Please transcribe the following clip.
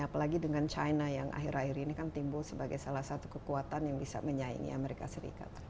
apalagi dengan china yang akhir akhir ini kan timbul sebagai salah satu kekuatan yang bisa menyaingi amerika serikat